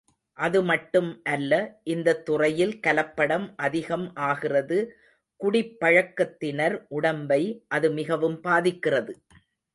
அது மட்டும் அல்ல இந்தத் துறையில் கலப்படம் அதிகம் ஆகிறது குடிப்பழக்கத்தினர் உடம்பை அது மிகவும் பாதிக்கிறது.